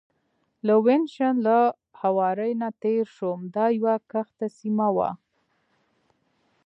د وینیشن له هوارې نه تېر شوم، دا یوه کښته سیمه وه.